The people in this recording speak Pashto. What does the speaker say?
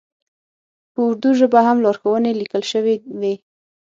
په اردو ژبه هم لارښوونې لیکل شوې وې.